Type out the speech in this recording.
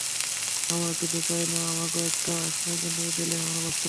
আমরা কিচ্ছু চাই না, আমাগো একটা আশ্রয়কেন্দ্র দেলেই আমরা বাঁচতে পারমু।